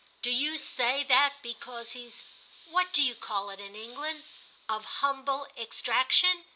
"Do you say that because he's—what do you call it in England?—of humble extraction?"